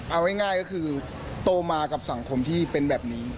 เอาง่ายก็คือโตมากับสังคมที่เป็นแบบนี้